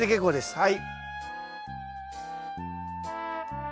はい。